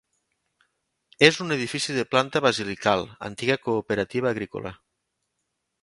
És un edifici de planta basilical antiga cooperativa agrícola.